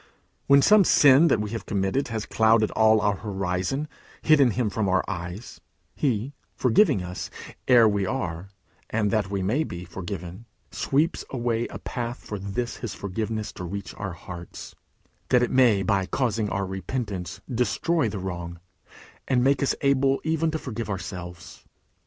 When some sin that we have committed has clouded all our horizon, and hidden him from our eyes, he, forgiving us, ere we are, and that we may be, forgiven, sweeps away a path for this his forgiveness to reach our hearts, that it may by causing our repentance destroy the wrong, and make us able even to forgive ourselves.